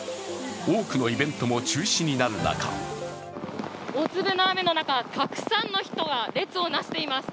多くのイベントも中止になる中大粒の雨の中たくさんの人が列を成しています。